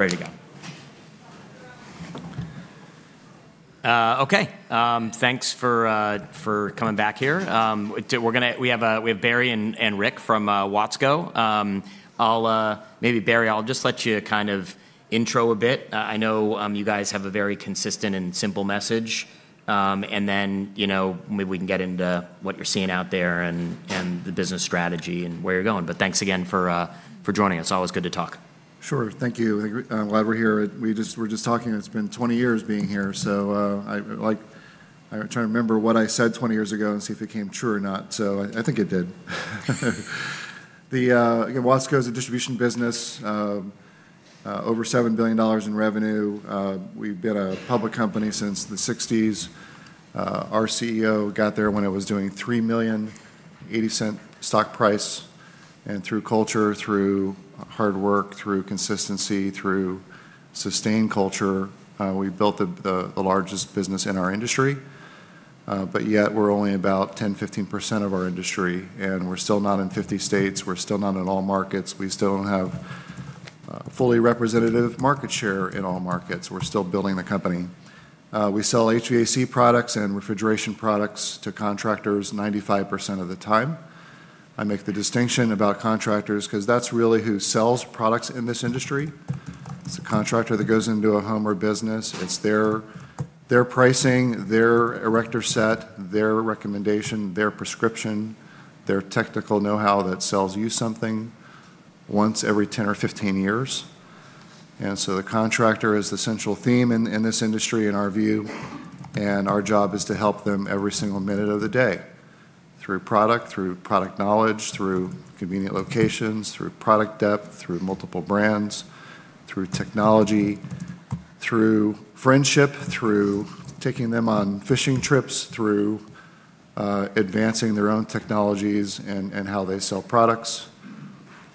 Ready to go. Okay. Thanks for coming back here. We have Barry and Rick from Watsco. Maybe Barry, I'll just let you kind of intro a bit. I know you guys have a very consistent and simple message. You know, maybe we can get into what you're seeing out there and the business strategy and where you're going. Thanks again for joining us. Always good to talk. Sure. Thank you. I'm glad we're here. We're just talking, it's been 20 years being here, so I try to remember what I said 20 years ago and see if it came true or not. I think it did. Again, Watsco is a distribution business, over $7 billion in revenue. We've been a public company since the 1960s. Our CEO got there when it was doing $3 million, $0.80 stock price. Through culture, through hard work, through consistency, through sustained culture, we built the largest business in our industry. But yet we're only about 10%-15% of our industry, and we're still not in 50 states, we're still not in all markets, we still don't have fully representative market share in all markets. We're still building the company. We sell HVAC products and refrigeration products to contractors 95% of the time. I make the distinction about contractors 'cause that's really who sells products in this industry. It's the contractor that goes into a home or business, it's their pricing, their erector set, their recommendation, their prescription, their technical know-how that sells you something once every 10 or 15 years. The contractor is the central theme in this industry, in our view, and our job is to help them every single minute of the day through product, through product knowledge, through convenient locations, through product depth, through multiple brands, through technology, through friendship, through taking them on fishing trips, through advancing their own technologies and how they sell products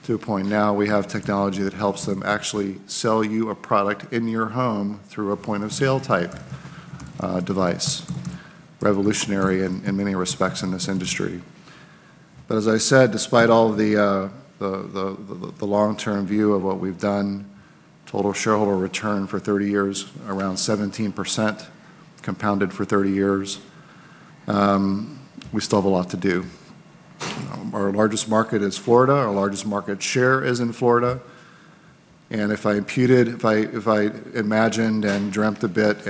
to a point now we have technology that helps them actually sell you a product in your home through a point of sale type device. Revolutionary in many respects in this industry. As I said, despite all of the long-term view of what we've done, total shareholder return for 30 years around 17% compounded for 30 years, we still have a lot to do. Our largest market is Florida. Our largest market share is in Florida. If I imagined and dreamt a bit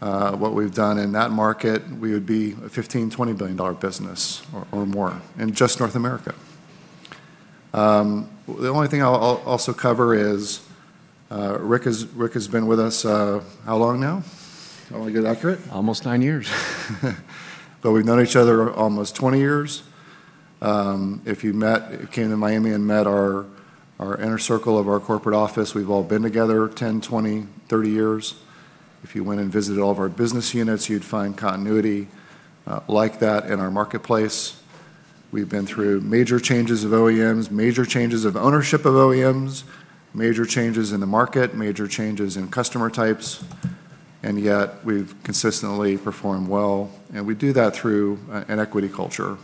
what we've done in that market, we would be a $15 billion-$20 billion business or more in just North America. The only thing I'll also cover is Rick has been with us how long now? You wanna get accurate? Almost nine years. We've known each other almost 20 years. If you came to Miami and met our inner circle of our corporate office, we've all been together 10, 20, 30 years. If you went and visited all of our business units, you'd find continuity like that in our marketplace. We've been through major changes of OEMs, major changes of ownership of OEMs, major changes in the market, major changes in customer types, and yet we've consistently performed well. We do that through an equity culture.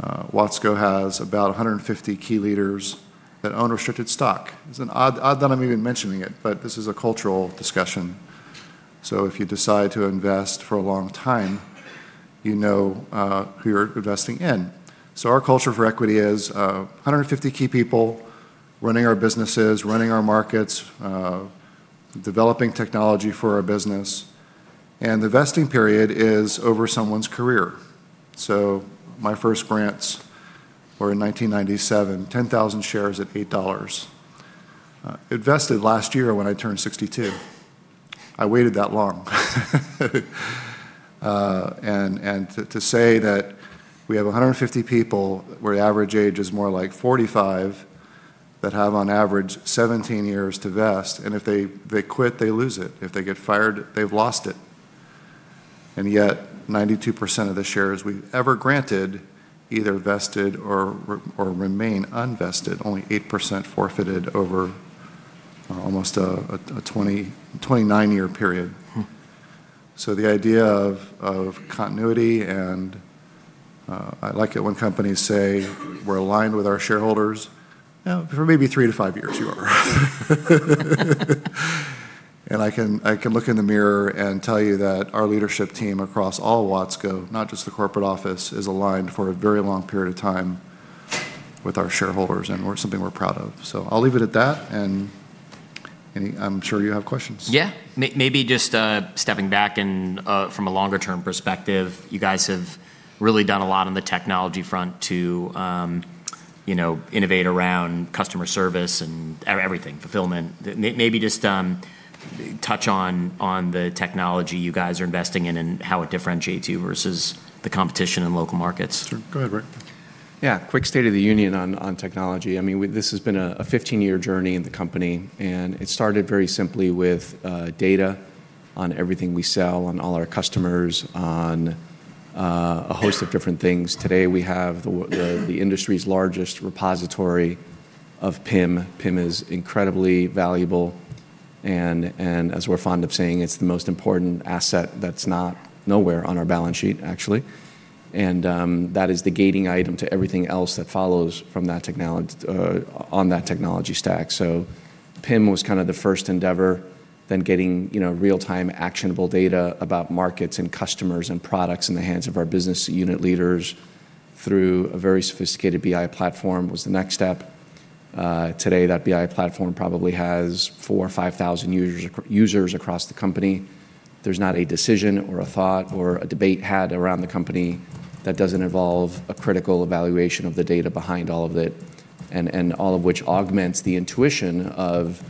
Watsco has about 150 key leaders that own restricted stock. It's an odd that I'm even mentioning it, but this is a cultural discussion. If you decide to invest for a long time, you know who you're investing in. Our culture for equity is 150 key people running our businesses, running our markets, developing technology for our business, and the vesting period is over someone's career. My first grants were in 1997, 10,000 shares at $8. It vested last year when I turned 62. I waited that long, and to say that we have 150 people where the average age is more like 45 that have on average 17 years to vest, and if they quit, they lose it. If they get fired, they've lost it. Yet, 92% of the shares we've ever granted either vested or remain unvested, only 8% forfeited over almost a 29-year period. Hmm. The idea of continuity and I like it when companies say, "We're aligned with our shareholders." For maybe 3-5 years you are. I can look in the mirror and tell you that our leadership team across all Watsco, not just the corporate office, is aligned for a very long period of time with our shareholders, and we're something we're proud of. I'll leave it at that, and I'm sure you have questions. Yeah. Maybe just stepping back and from a longer term perspective, you guys have really done a lot on the technology front to, you know, innovate around customer service and everything, fulfillment. Maybe just touch on the technology you guys are investing in and how it differentiates you versus the competition in local markets. Sure. Go ahead, Rick. Yeah. Quick state of the union on technology. I mean, this has been a 15-year journey in the company, and it started very simply with data on everything we sell, on all our customers, on a host of different things. Today, we have the industry's largest repository of PIM. PIM is incredibly valuable. As we're fond of saying, it's the most important asset that's not on our balance sheet, actually. That is the gating item to everything else that follows from that technology on that technology stack. PIM was kind of the first endeavor, then getting, you know, real-time actionable data about markets and customers and products in the hands of our business unit leaders through a very sophisticated BI platform was the next step. Today, that BI platform probably has 4,000 or 5,000 users across the company. There's not a decision or a thought or a debate had around the company that doesn't involve a critical evaluation of the data behind all of it and all of which augments the intuition of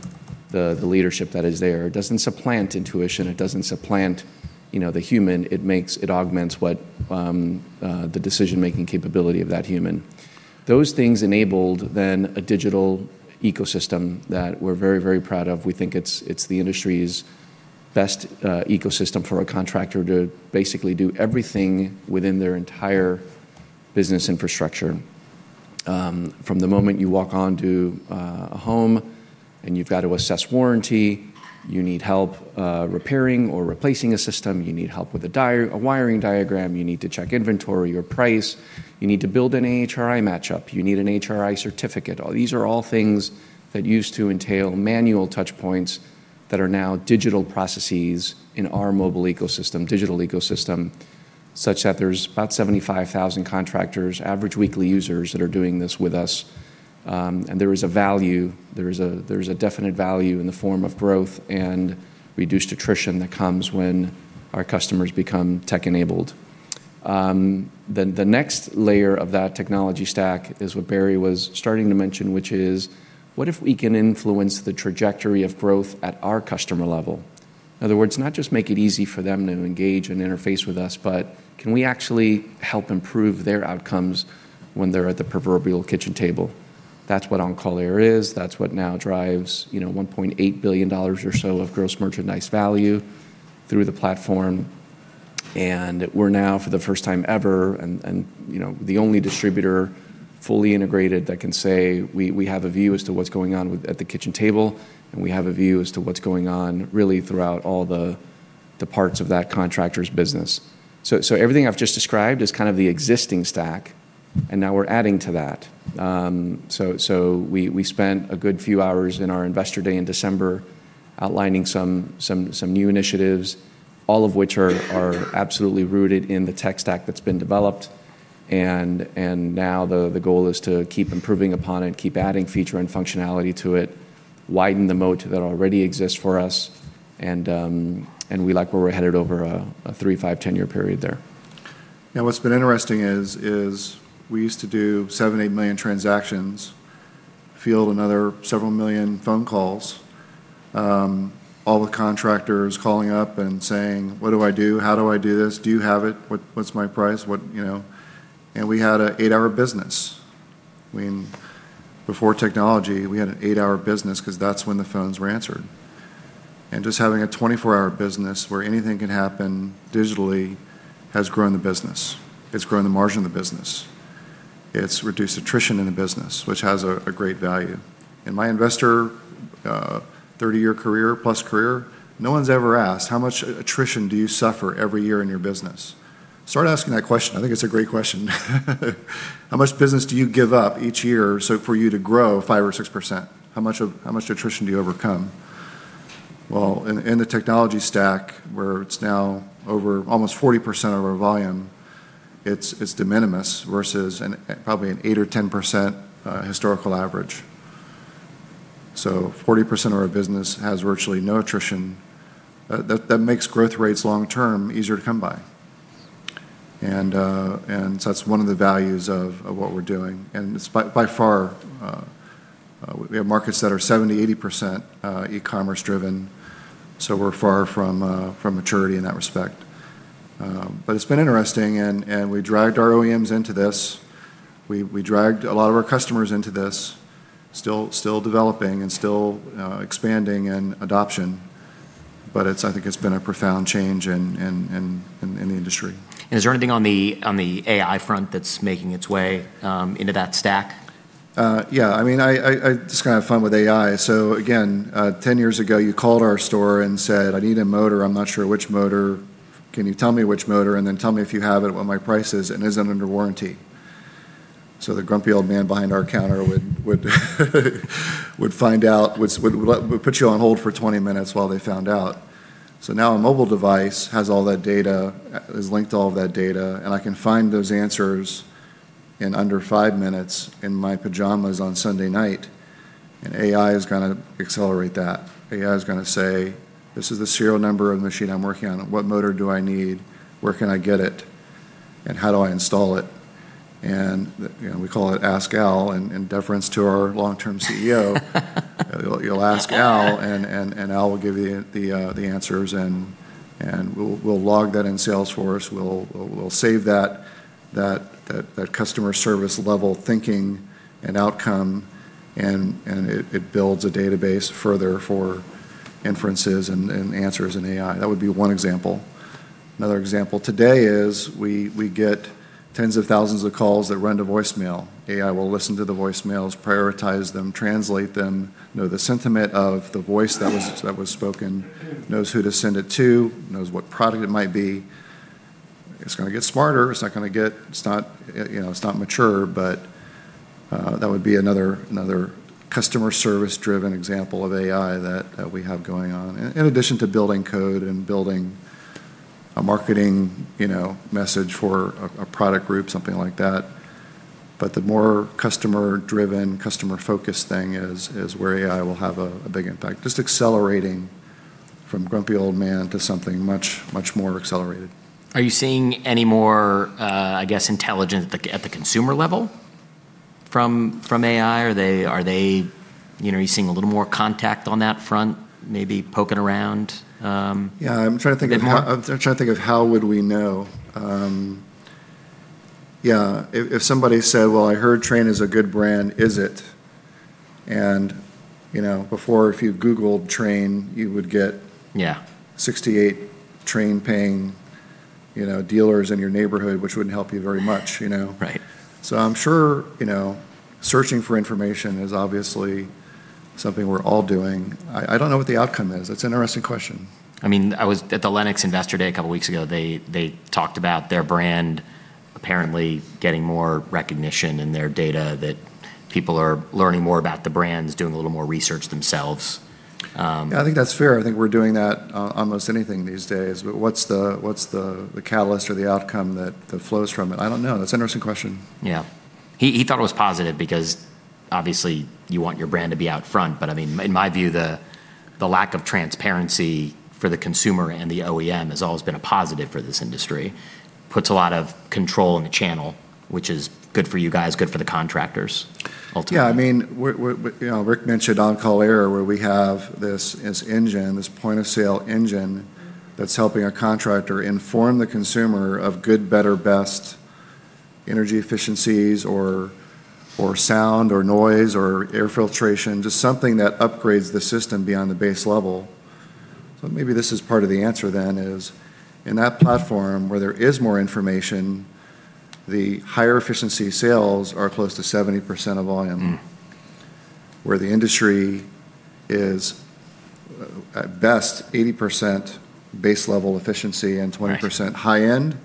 the leadership that is there. It doesn't supplant intuition. It doesn't supplant, you know, the human. It augments the decision-making capability of that human. Those things enabled then a digital ecosystem that we're very, very proud of. We think it's the industry's best ecosystem for a contractor to basically do everything within their entire business infrastructure. From the moment you walk onto a home and you've got to assess warranty, you need help repairing or replacing a system, you need help with a wiring diagram, you need to check inventory or price, you need to build an AHRI match-up, you need an AHRI certificate. All these are things that used to entail manual touch points that are now digital processes in our mobile ecosystem, digital ecosystem, such that there's about 75,000 contractors, average weekly users that are doing this with us. There is a definite value in the form of growth and reduced attrition that comes when our customers become tech-enabled. The next layer of that technology stack is what Barry was starting to mention, which is what if we can influence the trajectory of growth at our customer level? In other words, not just make it easy for them to engage and interface with us, but can we actually help improve their outcomes when they're at the proverbial kitchen table? That's what OnCall Air is. That's what now drives, you know, $1.8 billion or so of gross merchandise value through the platform. We're now, for the first time ever, you know, the only distributor fully integrated that can say we have a view as to what's going on at the kitchen table, and we have a view as to what's going on really throughout all the parts of that contractor's business. Everything I've just described is kind of the existing stack, and now we're adding to that. We spent a good few hours in our Investor Day in December outlining some new initiatives, all of which are absolutely rooted in the tech stack that's been developed. Now the goal is to keep improving upon it, keep adding feature and functionality to it, widen the moat that already exists for us, and we like where we're headed over a 3, 5, 10-year period there. Now, what's been interesting is we used to do 7 million-8 million transactions, field another several million phone calls, all the contractors calling up and saying, "What do I do? How do I do this? Do you have it? What's my price? What?" You know? We had an 8-hour business. I mean, before technology, we had an 8-hour business because that's when the phones were answered. Just having a 24-hour business where anything can happen digitally has grown the business. It's grown the margin of the business. It's reduced attrition in the business, which has a great value. In my investor 30-year career, plus career, no one's ever asked, "How much attrition do you suffer every year in your business?" Start asking that question. I think it's a great question. How much business do you give up each year so for you to grow 5% or 6%? How much attrition do you overcome? In the technology stack, where it's now over almost 40% of our volume, it's de minimis versus a probably 8% or 10% historical average. 40% of our business has virtually no attrition. That makes growth rates long term easier to come by. That's one of the values of what we're doing, and it's by far we have markets that are 70%, 80% e-commerce driven, so we're far from maturity in that respect. But it's been interesting and we dragged our OEMs into this. We dragged a lot of our customers into this, still developing and still expanding in adoption. I think it's been a profound change in the industry. Is there anything on the AI front that's making its way into that stack? Yeah. I mean, I just kinda have fun with AI. Again, 10 years ago, you called our store and said, "I need a motor. I'm not sure which motor. Can you tell me which motor, and then tell me if you have it, what my price is, and is it under warranty?" The grumpy old man behind our counter would put you on hold for 20 minutes while they found out. Now a mobile device has all that data, is linked to all of that data, and I can find those answers in under 5 minutes in my pajamas on Sunday night, and AI is gonna accelerate that. AI is gonna say, "This is the serial number of the machine I'm working on. What motor do I need? Where can I get it, and how do I install it?" You know, we call it Ask Al in deference to our long-term CEO. You'll ask Al, and Al will give you the answers and we'll log that in Salesforce. We'll save that customer service level thinking and outcome and it builds a database further for inferences and answers in AI. That would be one example. Another example today is we get tens of thousands of calls that run to voicemail. AI will listen to the voicemails, prioritize them, translate them, know the sentiment of the voice that was spoken, knows who to send it to, knows what product it might be. It's gonna get smarter. It's not, you know, it's not mature, but that would be another customer service-driven example of AI that we have going on. In addition to building code and building a marketing, you know, message for a product group, something like that. But the more customer-driven, customer-focused thing is where AI will have a big impact. Just accelerating from grumpy old man to something much more accelerated. Are you seeing any more, I guess, intelligence at the consumer level from AI? You know, are you seeing a little more contact on that front, maybe poking around? Yeah, I'm trying to think of how. A bit more? I'm trying to think of how would we know. Yeah. If somebody said, "Well, I heard Trane is a good brand. Is it?" You know, before, if you Googled Trane, you would get- Yeah 68 Trane paying, you know, dealers in your neighborhood, which wouldn't help you very much, you know? Right. I'm sure, you know, searching for information is obviously something we're all doing. I don't know what the outcome is. It's an interesting question. I mean, I was at the Lennox Investor Day a couple weeks ago. They talked about their brand apparently getting more recognition in their data, that people are learning more about the brands, doing a little more research themselves. Yeah, I think that's fair. I think we're doing that on most anything these days. What's the catalyst or the outcome that flows from it? I don't know. That's an interesting question. Yeah. He thought it was positive because obviously you want your brand to be out front. I mean, in my view, the lack of transparency for the consumer and the OEM has always been a positive for this industry. Puts a lot of control in the channel, which is good for you guys, good for the contractors ultimately. Yeah, I mean, we're, but, you know, Rick mentioned OnCall Air, where we have this engine, this point-of-sale engine that's helping a contractor inform the consumer of good, better, best energy efficiencies or sound or noise or air filtration, just something that upgrades the system beyond the base level. Maybe this is part of the answer then is, in that platform where there is more information, the higher efficiency sales are close to 70% of volume. Mm. Where the industry is at best 80% base level efficiency and 20% high-end.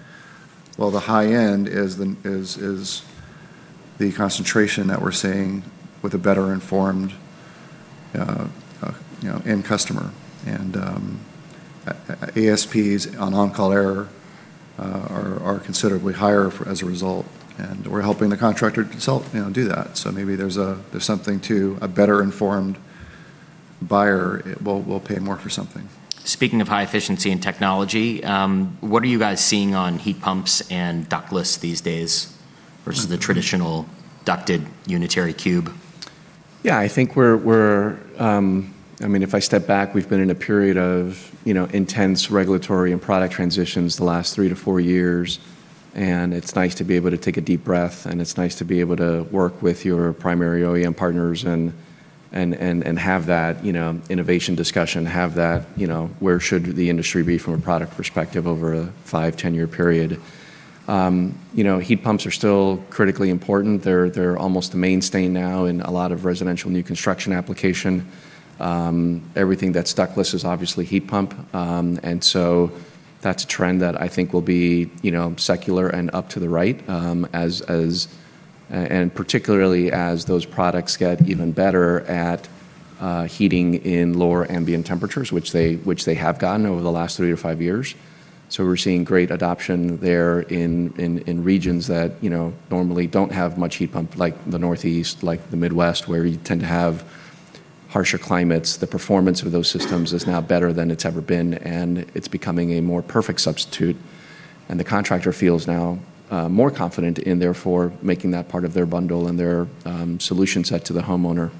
Well, the high end is the concentration that we're seeing with a better informed, you know, end customer. ASPs on OnCall Air are considerably higher, as a result, and we're helping the contractor itself, you know, do that. Maybe there's something to a better informed buyer will pay more for something. Speaking of high efficiency and technology, what are you guys seeing on heat pumps and ductless these days versus the traditional ducted unitary cube? Yeah. I think we're I mean, if I step back, we've been in a period of, you know, intense regulatory and product transitions the last 3-4 years, and it's nice to be able to take a deep breath, and it's nice to be able to work with your primary OEM partners and have that, you know, innovation discussion, have that, you know, where should the industry be from a product perspective over a 5-10-year period. You know, heat pumps are still critically important. They're almost a mainstay now in a lot of residential new construction application. Everything that's ductless is obviously heat pump. That's a trend that I think will be, you know, secular and up to the right, as and particularly as those products get even better at heating in lower ambient temperatures, which they have gotten over the last 3 to 5 years. We're seeing great adoption there in regions that, you know, normally don't have much heat pumps, like the Northeast, like the Midwest, where you tend to have harsher climates. The performance of those systems is now better than it's ever been, and it's becoming a more perfect substitute, and the contractor feels now more confident in therefore making that part of their bundle and their solution set to the homeowner.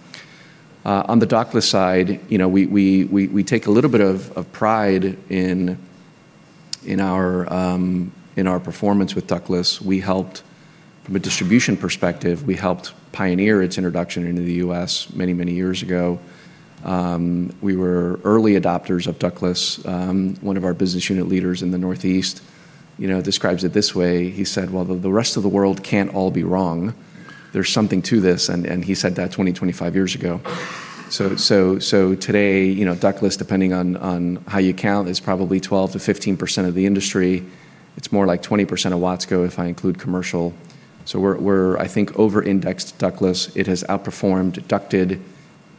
On the ductless side, you know, we take a little bit of pride in our performance with ductless. We helped, from a distribution perspective, pioneer its introduction into the U.S. many years ago. We were early adopters of ductless. One of our business unit leaders in the Northeast, you know, describes it this way. He said, "Well, the rest of the world can't all be wrong. There's something to this." He said that 20-25 years ago. Today, you know, ductless, depending on how you count, is probably 12%-15% of the industry. It's more like 20% of Watsco if I include commercial. We're, I think, over-indexed ductless. It has outperformed ducted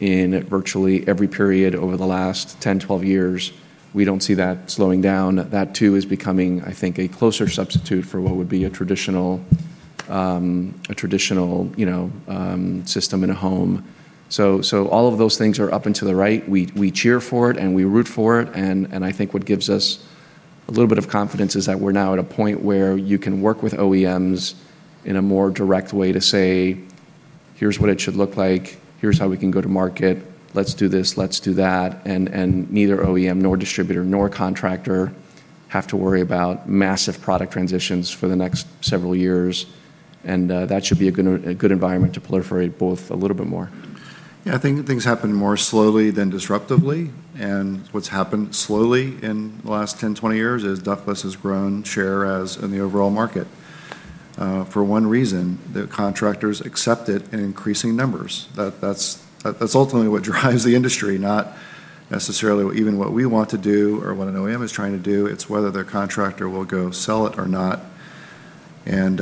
in virtually every period over the last 10-12 years. We don't see that slowing down. That too is becoming, I think, a closer substitute for what would be a traditional, you know, system in a home. All of those things are up and to the right. We cheer for it and we root for it. I think what gives us a little bit of confidence is that we're now at a point where you can work with OEMs in a more direct way to say, "Here's what it should look like. Here's how we can go to market. Let's do this. Let's do that." Neither OEM nor distributor nor contractor have to worry about massive product transitions for the next several years. That should be a good environment to proliferate both a little bit more. Yeah, I think things happen more slowly than disruptively. What's happened slowly in the last 10, 20 years is ductless has grown share in the overall market. For one reason, the contractors accept it in increasing numbers. That's ultimately what drives the industry, not necessarily even what we want to do or what an OEM is trying to do. It's whether their contractor will go sell it or not, and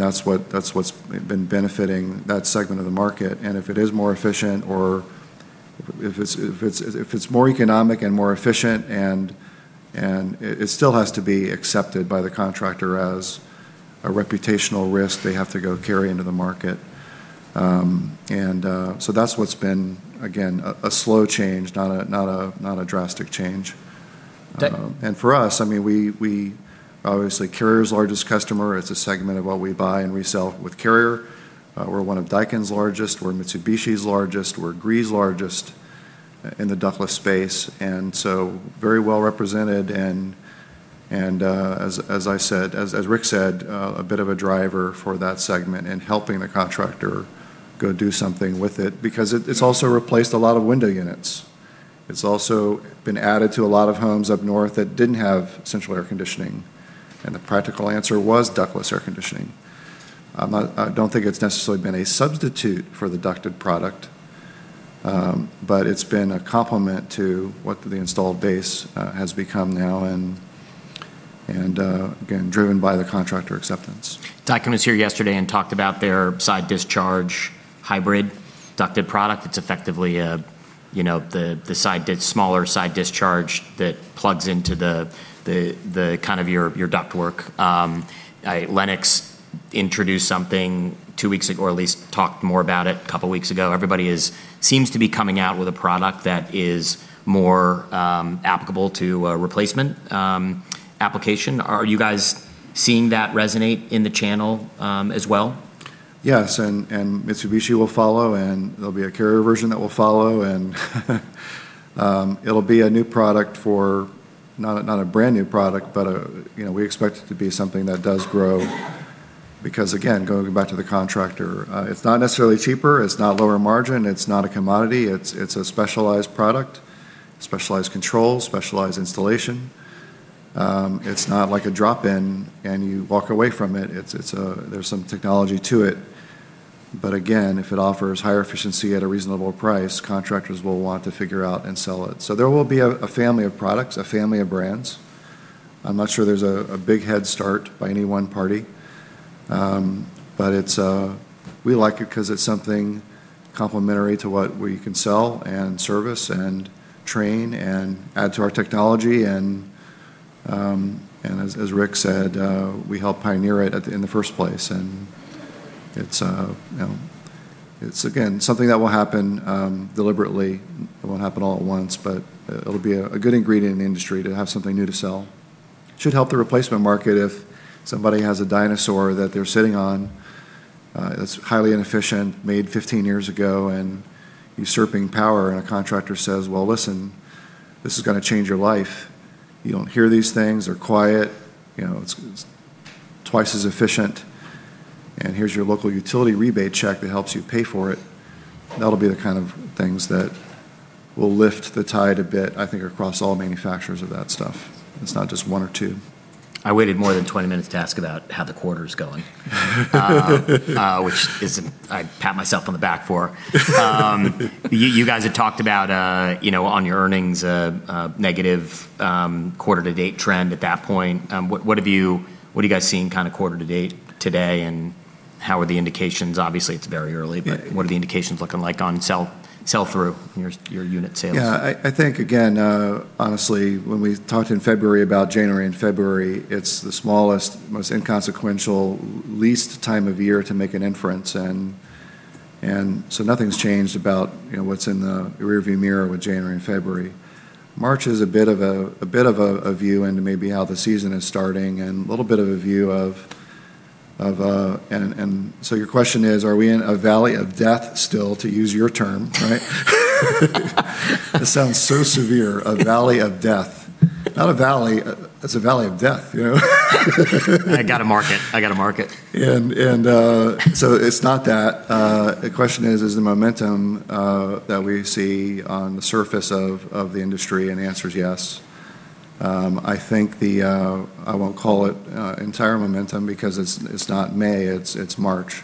that's what's been benefiting that segment of the market. If it is more efficient or if it's more economic and more efficient, it still has to be accepted by the contractor as a reputational risk they have to go carry into the market. That's what's been, again, a slow change, not a drastic change. Da- For us, I mean, we obviously Carrier's largest customer. It's a segment of what we buy and resell with Carrier. We're one of Daikin's largest. We're Mitsubishi's largest. We're Gree's largest in the ductless space, and so very well represented and as I said, as Rick said, a bit of a driver for that segment and helping the contractor go do something with it because it's also replaced a lot of window units. It's also been added to a lot of homes up north that didn't have central air conditioning, and the practical answer was ductless air conditioning. I don't think it's necessarily been a substitute for the ducted product. It's been a complement to what the installed base has become now and again driven by the contractor acceptance. Daikin was here yesterday and talked about their side discharge hybrid ducted product. It's effectively a smaller side discharge that plugs into the kind of your ductwork. Lennox introduced something two weeks ago, or at least talked more about it a couple weeks ago. Everybody seems to be coming out with a product that is more applicable to a replacement application. Are you guys seeing that resonate in the channel as well? Yes. Mitsubishi will follow, and there'll be a Carrier version that will follow, and it'll be a new product. Not a brand-new product, but, you know, we expect it to be something that does grow because, again, going back to the contractor, it's not necessarily cheaper. It's not lower margin. It's not a commodity. It's a specialized product, specialized control, specialized installation. It's not like a drop-in, and you walk away from it. There's some technology to it. Again, if it offers higher efficiency at a reasonable price, contractors will want to figure out and sell it. There will be a family of products, a family of brands. I'm not sure there's a big head start by any one party. But it's. We like it 'cause it's something complementary to what we can sell and service and train and add to our technology and as Rick said, we helped pioneer it in the first place. It's, you know, it's again something that will happen deliberately. It won't happen all at once, but it'll be a good ingredient in the industry to have something new to sell. Should help the replacement market if somebody has a dinosaur that they're sitting on, that's highly inefficient, made 15 years ago and usurping power, and a contractor says, "Well, listen, this is gonna change your life. You don't hear these things. They're quiet. You know, it's twice as efficient, and here's your local utility rebate check that helps you pay for it. That'll be the kind of things that will lift the tide a bit, I think, across all manufacturers of that stuff. It's not just one or two. I waited more than 20 minutes to ask about how the quarter's going, which isn't I pat myself on the back for. You guys had talked about, you know, on your earnings, a negative quarter to date trend at that point. What are you guys seeing kind of quarter to date today, and how are the indications? Obviously, it's very early. Yeah What are the indications looking like on sell-through and your unit sales? Yeah. I think, again, honestly, when we talked in February about January and February, it's the smallest, most inconsequential, least time of year to make an inference and so nothing's changed about, you know, what's in the rearview mirror with January and February. March is a bit of a view into maybe how the season is starting and a little bit of a view of. Your question is, are we in a valley of death still, to use your term, right? It sounds so severe, a valley of death. Not a valley. It's a valley of death, you know. I gotta market. It's not that. The question is the momentum that we see on the surface of the industry, and the answer is yes. I think I won't call it entire momentum because it's not May, it's March.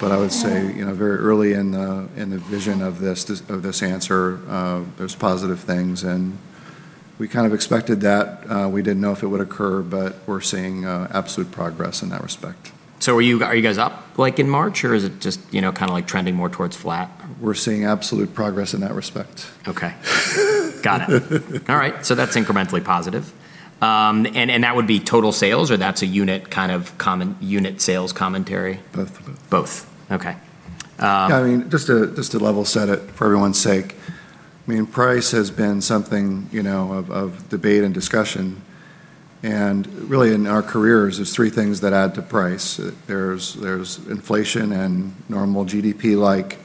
I would say. Yeah you know, very early in the vision of this answer, there's positive things, and we kind of expected that. We didn't know if it would occur, but we're seeing absolute progress in that respect. Are you guys up, like, in March, or is it just, you know, kinda like trending more towards flat? We're seeing absolute progress in that respect. Okay. Got it. All right. That's incrementally positive. That would be total sales, or that's a unit kind of unit sales commentary? Both. Both. Okay. Yeah, I mean, just to level set it for everyone's sake, I mean, price has been something, you know, of debate and discussion. Really in our careers, there's three things that add to price. There's inflation and normal GDP-like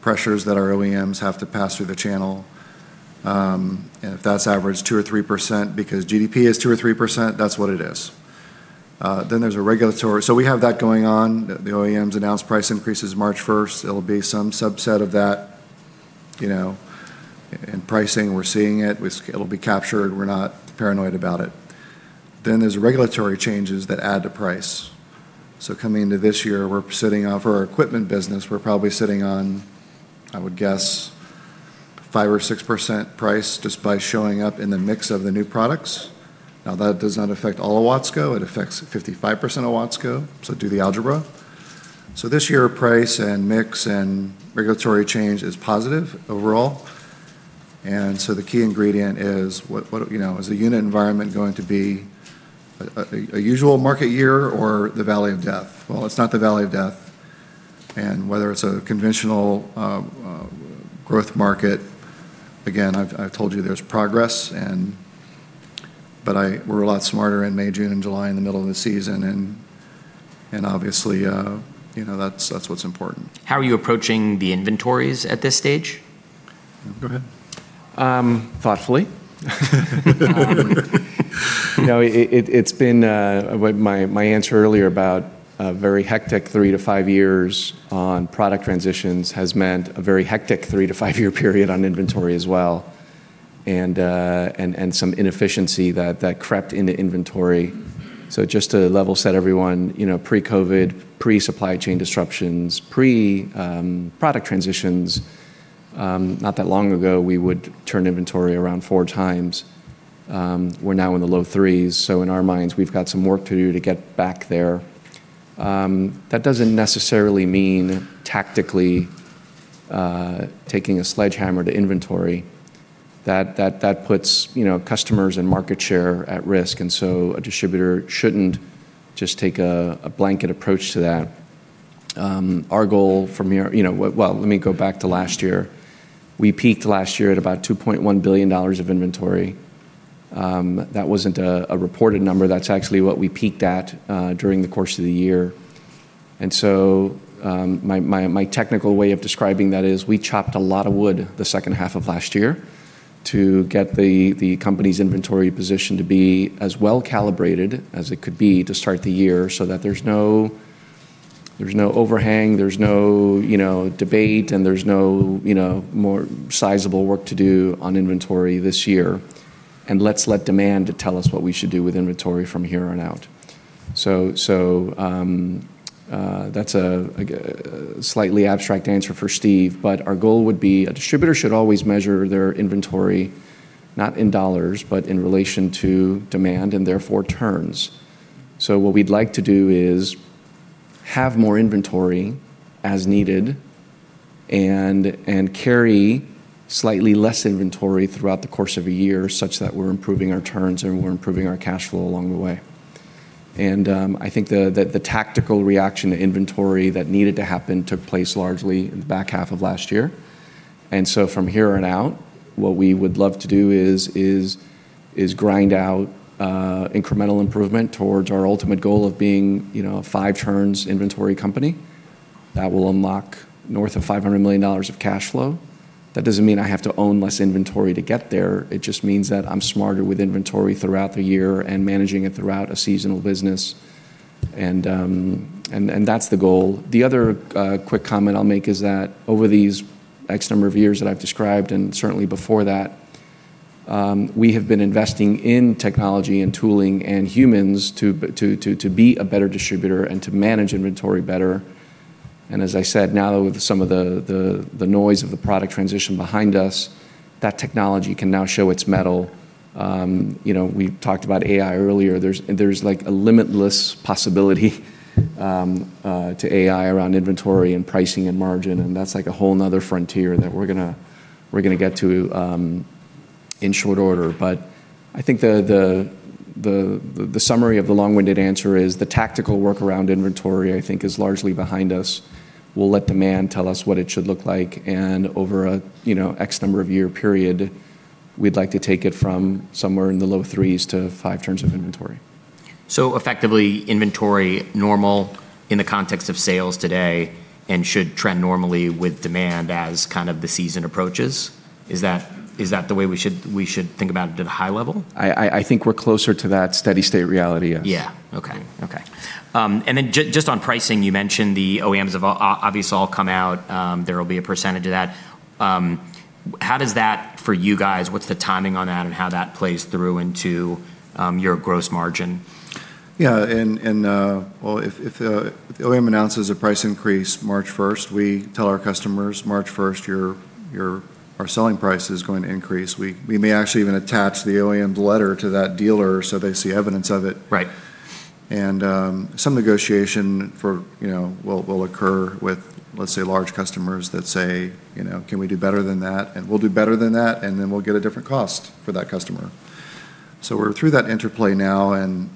pressures that our OEMs have to pass through the channel. If that's average 2% or 3% because GDP is 2% or 3%, that's what it is. There's a regulatory. We have that going on. The OEMs announced price increases March 1st. It'll be some subset of that, you know, and pricing, we're seeing it. It'll be captured. We're not paranoid about it. There's regulatory changes that add to price. Coming into this year, for our equipment business, we're probably sitting on, I would guess, 5% or 6% price just by showing up in the mix of the new products. Now, that does not affect all of Watsco, it affects 55% of Watsco, so do the algebra. This year, price and mix and regulatory change is positive overall. The key ingredient is what, you know, is the unit environment going to be a usual market year or the valley of death? Well, it's not the valley of death. Whether it's a conventional growth market, again, I've told you there's progress. We're a lot smarter in May, June, and July in the middle of the season, and obviously, you know, that's what's important. How are you approaching the inventories at this stage? Go ahead. Thoughtfully. You know, it's been what my answer earlier about a very hectic 3-5 years on product transitions has meant a very hectic 3-5 year period on inventory as well, and some inefficiency that crept into inventory. Just to level set everyone, you know, pre-COVID, pre-supply chain disruptions, pre product transitions, not that long ago, we would turn inventory around 4x. We're now in the low 3xs, so in our minds, we've got some work to do to get back there. That doesn't necessarily mean tactically taking a sledgehammer to inventory. That puts you know, customers and market share at risk, and so a distributor shouldn't just take a blanket approach to that. Our goal from here, you know. Well, let me go back to last year. We peaked last year at about $2.1 billion of inventory. That wasn't a reported number. That's actually what we peaked at during the course of the year. My technical way of describing that is we chopped a lot of wood the second half of last year to get the company's inventory position to be as well-calibrated as it could be to start the year so that there's no overhang, there's no, you know, debate, and there's no, you know, more sizable work to do on inventory this year, and let demand tell us what we should do with inventory from here on out. That's a slightly abstract answer for Steve, but our goal would be a distributor should always measure their inventory not in dollars, but in relation to demand and therefore turns. What we'd like to do is have more inventory as needed and carry slightly less inventory throughout the course of a year such that we're improving our turns and we're improving our cash flow along the way. I think the tactical reaction to inventory that needed to happen took place largely in the back half of last year. From here on out, what we would love to do is grind out incremental improvement towards our ultimate goal of being, you know, a 5x inventory company that will unlock north of $500 million of cash flow. That doesn't mean I have to own less inventory to get there. It just means that I'm smarter with inventory throughout the year and managing it throughout a seasonal business, and that's the goal. The other quick comment I'll make is that over these X number of years that I've described, and certainly before that, we have been investing in technology and tooling and humans to be a better distributor and to manage inventory better. As I said, now with some of the noise of the product transition behind us, that technology can now show its mettle. You know, we talked about AI earlier. like, a limitless possibility to AI around inventory and pricing and margin, and that's like a whole 'nother frontier that we're gonna get to in short order. I think the summary of the long-winded answer is the tactical work around inventory I think is largely behind us. We'll let demand tell us what it should look like, and over a X number of year period, we'd like to take it from somewhere in the low 3xs to 5x of inventory. Effectively inventory normal in the context of sales today and should trend normally with demand as kind of the season approaches. Is that the way we should think about it at a high level? I think we're closer to that steady state reality, yes. Yeah. Okay. Just on pricing, you mentioned the OEMs have obviously all come out. There will be a percentage of that. How does that for you guys, what's the timing on that and how that plays through into your gross margin? Well, if the OEM announces a price increase March 1st, we tell our customers, "March 1st, our selling price is going to increase." We may actually even attach the OEM's letter to that dealer so they see evidence of it. Right. Some negotiation for, you know, will occur with, let's say, large customers that say, you know, "Can we do better than that?" We'll do better than that, and then we'll get a different cost for that customer. We're through that interplay now and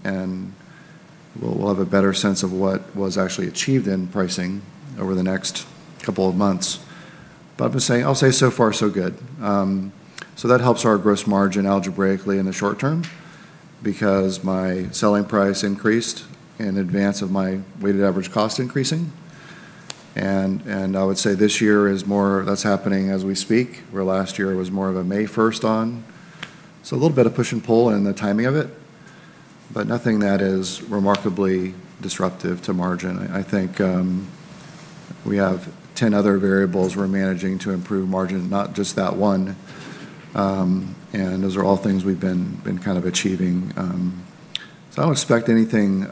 we'll have a better sense of what was actually achieved in pricing over the next couple of months. I'm just saying, I'll say so far so good. That helps our gross margin algebraically in the short term because my selling price increased in advance of my weighted average cost increasing. I would say this year is more, that's happening as we speak, where last year it was more of a May 1st on. A little bit of push and pull in the timing of it, but nothing that is remarkably disruptive to margin. I think we have 10 other variables we're managing to improve margin, not just that one. Those are all things we've been kind of achieving. I don't expect anything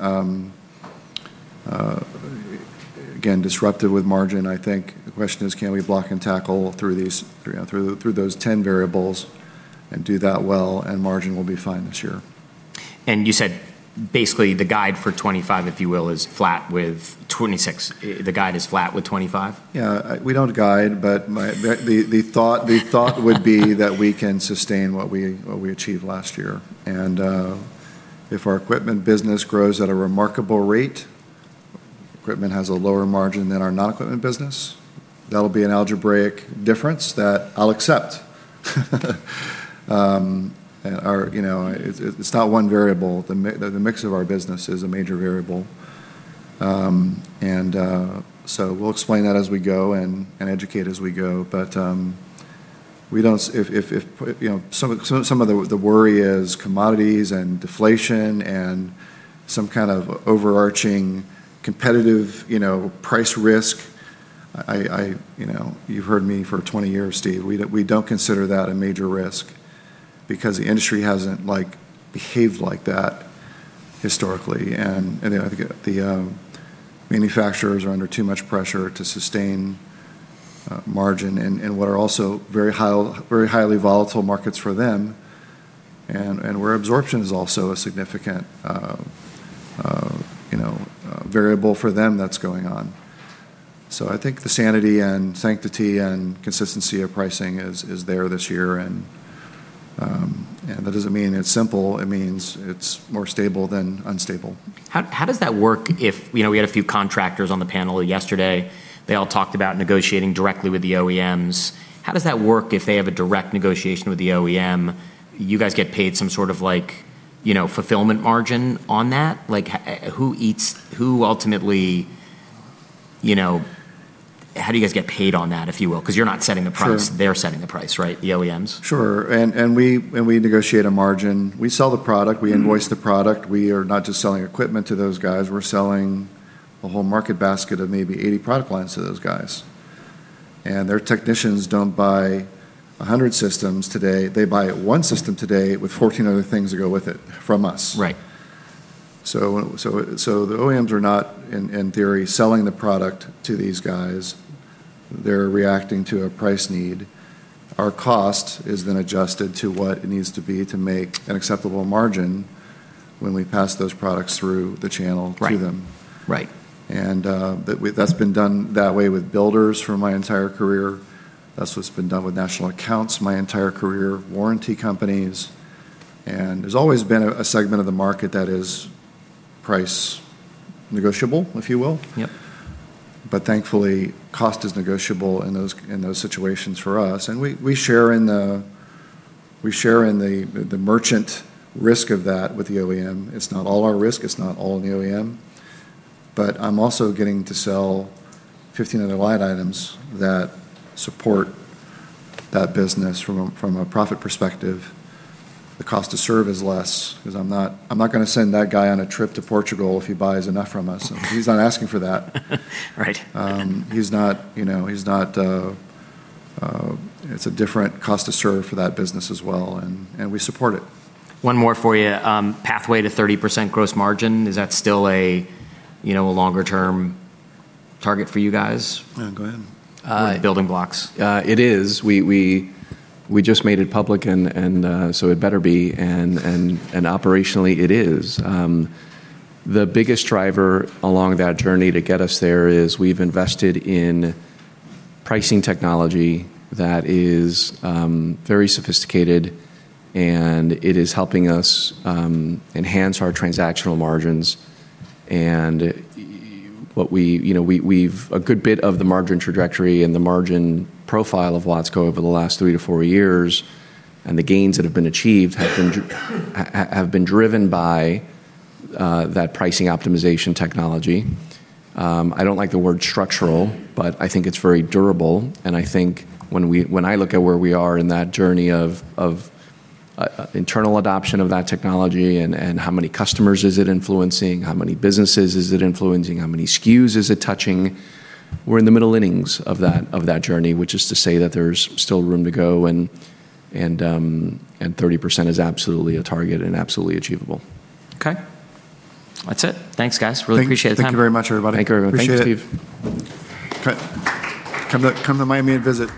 again disruptive with margin. I think the question is can we block and tackle through these, you know, through those 10 variables and do that well, and margin will be fine this year. You said basically the guide for 2025, if you will, is flat with 2026. The guide is flat with 2025? Yeah. We don't guide, but the thought would be that we can sustain what we achieved last year. If our equipment business grows at a remarkable rate, equipment has a lower margin than our non-equipment business. That'll be an algebraic difference that I'll accept. Our, you know, it's not one variable. The mix of our business is a major variable. We'll explain that as we go and educate as we go. You know, some of the worry is commodities and deflation and some kind of overarching competitive, you know, price risk. You know, you've heard me for 20 years, Steve. We don't consider that a major risk because the industry hasn't, like, behaved like that historically. I think the manufacturers are under too much pressure to sustain margin in what are also very highly volatile markets for them and where absorption is also a significant you know variable for them that's going on. I think the sanity and sanctity and consistency of pricing is there this year and that doesn't mean it's simple. It means it's more stable than unstable. How does that work if you know, we had a few contractors on the panel yesterday. They all talked about negotiating directly with the OEMs. How does that work if they have a direct negotiation with the OEM? You guys get paid some sort of like, you know, fulfillment margin on that? Who ultimately, you know, how do you guys get paid on that, if you will? 'Cause you're not setting the price. Sure. They're setting the price, right? The OEMs. Sure. We negotiate a margin. We sell the product. Mm-hmm. We invoice the product. We are not just selling equipment to those guys. We're selling a whole market basket of maybe 80 product lines to those guys, and their technicians don't buy 100 systems today. They buy one system today with 14 other things that go with it from us. Right. The OEMs are not in theory selling the product to these guys. They're reacting to a price need. Our cost is then adjusted to what it needs to be to make an acceptable margin when we pass those products through the channel. Right to them. Right. That's been done that way with builders for my entire career. That's what's been done with national accounts my entire career, warranty companies, and there's always been a segment of the market that is price negotiable, if you will. Yep. Thankfully, cost is negotiable in those situations for us, and we share in the merchant risk of that with the OEM. It's not all our risk. It's not all the OEM. I'm also getting to sell 15 other line items that support that business from a profit perspective. The cost to serve is less 'cause I'm not gonna send that guy on a trip to Portugal if he buys enough from us. He's not asking for that. Right. He's not, you know, it's a different cost to serve for that business as well and we support it. One more for you. Pathway to 30% gross margin, is that still a, you know, a longer term target for you guys? Yeah, go ahead. Building blocks. It is. We just made it public, and so it better be, and operationally it is. The biggest driver along that journey to get us there is we've invested in pricing technology that is very sophisticated, and it is helping us enhance our transactional margins and what we, you know, we've. A good bit of the margin trajectory and the margin profile of Watsco over the last 3-4 years and the gains that have been achieved have been driven by that pricing optimization technology. I don't like the word structural, but I think it's very durable, and I think when I look at where we are in that journey of internal adoption of that technology and how many customers is it influencing, how many businesses is it influencing, how many SKUs is it touching, we're in the middle innings of that journey which is to say that there's still room to go and 30% is absolutely a target and absolutely achievable. Okay. That's it. Thanks, guys. Really appreciate the time. Thank you very much, everybody. Thank you very much. Appreciate it. Thanks, Steve. Come to Miami and visit.